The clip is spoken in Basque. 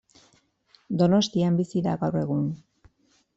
Donostian bizi da gaur egun.